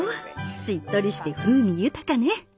しっとりして風味豊かね。